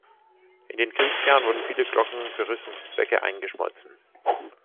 In den Kriegsjahren wurden viele Glocken für Rüstungszwecke eingeschmolzen.